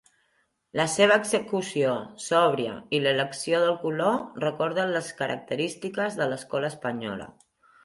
La seva execució sòbria i l'elecció del color recorden les característiques de l'escola espanyola.